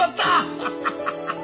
ハハハハ！